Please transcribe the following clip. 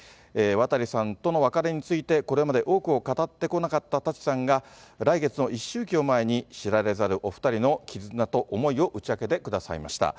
渡さんとの別れについて、これまで多くを語ってこなかった舘さんが、来月の一周忌を前に、知られざるお２人の絆と思いを打ち明けてくださいました。